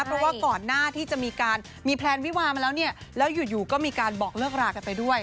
เพราะว่าก่อนหน้าที่จะมีการมีแพลนวิวามาแล้วเนี่ยแล้วอยู่ก็มีการบอกเลิกรากันไปด้วย